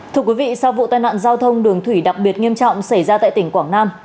thưa quý vị sau vụ tai nạn giao thông đường thủy đặc biệt nghiêm trọng xảy ra tại tỉnh quảng nam